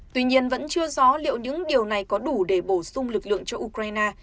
tuy nhiên vẫn chưa rõ liệu những điều này có đủ để bổ sung lực lượng cho ukraine